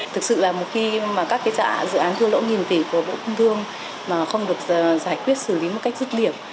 thực sự là một khi mà các cái dự án thua lỗ nghìn tỷ của bộ công thương mà không được giải quyết xử lý một cách dứt điểm